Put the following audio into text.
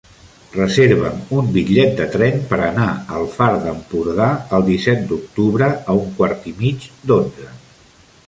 Reserva'm un bitllet de tren per anar al Far d'Empordà el disset d'octubre a un quart i mig d'onze.